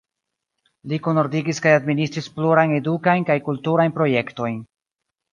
Li kunordigis kaj administris plurajn edukajn kaj kulturajn projektojn.